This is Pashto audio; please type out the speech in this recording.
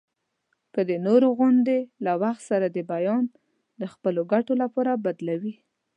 که د نورو غوندي له وخت سره د بیان د خپلو ګټو لپاره بدلوي.